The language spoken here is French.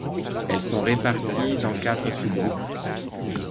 Elles sont réparties en quatre sous-groupes.